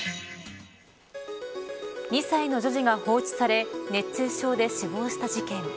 ２歳の女児が放置され熱中症で死亡した事件。